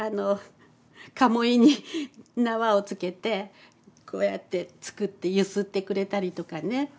かもいに縄をつけてこうやって作って揺すってくれたりとかね。